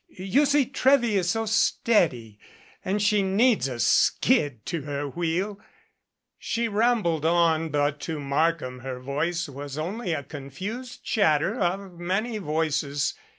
You see Trewy is so steady and she needs a skid to her wheel " She rambled on but to Markham her voice was only a confused chatter of many voices.